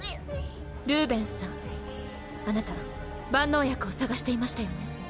ルーベンスさんあなた万能薬を探していましたよね？